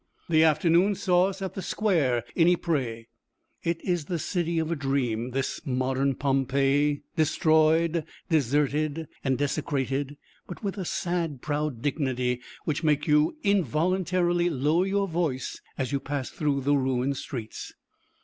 The afternoon saw us in the Square at Ypres. It is the city of a dream, this modern Pompeii, destroyed, deserted and desecrated, but with a sad, proud dignity which made you involuntarily lower your voice as you passed through the ruined streets.